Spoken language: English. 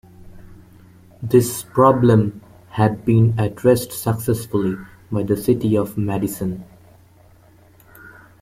This problem has been addressed successfully by the City of Madison.